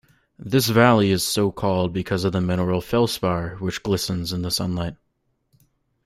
This valley is so-called because of the mineral felspar which glistens in the sunlight.